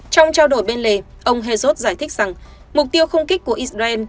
trong trao đổi bên lề ông heijov giải thích rằng mục tiêu không kích của israel